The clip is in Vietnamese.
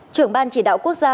trưởng ban chỉ đạo quốc gia